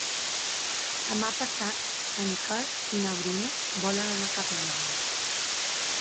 Demà passat en Quer i na Bruna volen anar a Capmany.